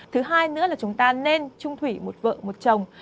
thứ hai nữa là chúng ta nên trung thủy một vợ một chồng